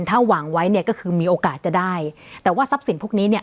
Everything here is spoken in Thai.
ถ้าหวังไว้เนี่ยก็คือมีโอกาสจะได้แต่ว่าทรัพย์สินพวกนี้เนี่ย